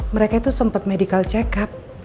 mereka itu sempat medical check up